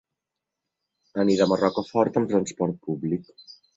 Anirem a Rocafort amb transport públic.